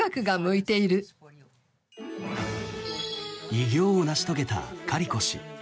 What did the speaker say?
偉業を成し遂げたカリコ氏。